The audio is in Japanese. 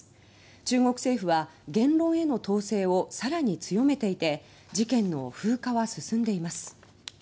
中国政府は言論への統制をさらに強めていて事件の風化は進んでいます。